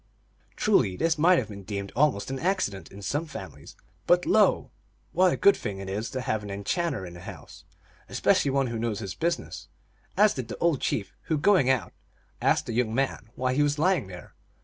Truly this might have been deemed almost an accident in some families ; but lo ! what a good thing it is to have an enchanter in the house, especially one who knows his business, as did the old chief, who, going out, asked the young man why he was lying there.